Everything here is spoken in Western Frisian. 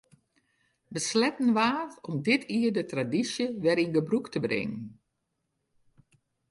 Besletten waard om dit jier de tradysje wer yn gebrûk te bringen.